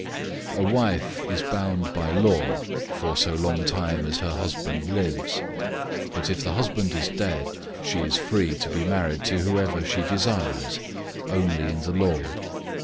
007:039 A wife is bound by law for as long as her husband lives; but if the husband is dead, she is free to be married to whoever she desires, only in the Lord.